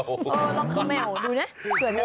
อ๋อต้องเข้าแมวดูนะเกิดในตรงนั้น